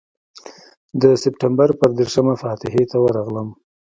د سپټمبر پر دېرشمه فاتحې ته ورغلم.